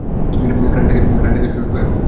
কারেন্টটাকে শোষণ করে ও।